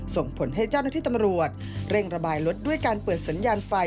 ส่งผลให้เจ้าหน้าที่ตำรวจเร่งระบายรถด้วยการเปิดสัญญาณไฟ